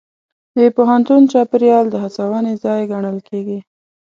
د پوهنتون چاپېریال د هڅونې ځای ګڼل کېږي.